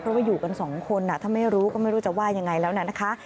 เพราะว่าอยู่กันสองคนถ้าไม่รู้ก็ไม่รู้จะว่ายังไงแล้วนะคะ